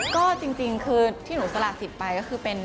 ก็จริงคือที่หนูสละสิทธิ์ไปก็คือเป็น